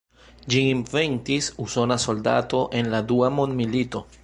Ĝin inventis usona soldato en la Dua mondmilito.